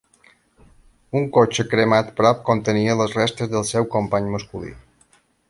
Un cotxe cremat prop contenia les restes del seu company masculí.